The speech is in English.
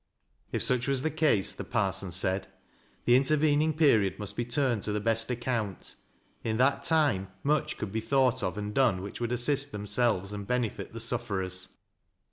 If such was the case, the parson said, the intervening period must be turned to the best account. In that time much could be thought of and done which would assist themselves and benefit the sufferers.